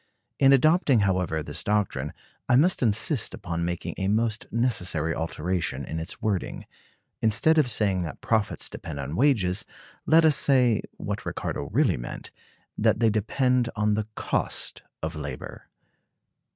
In adopting, however, this doctrine, I must insist upon making a most necessary alteration in its wording. Instead of saying that profits depend on wages, let us say (what Ricardo really meant) that they depend on the cost of labor.